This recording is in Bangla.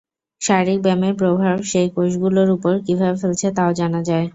শারীরিক ব্যায়ামের প্রভাব সেই কোষগুলোর ওপর কীভাবে ফেলছে তাও জানা যায়।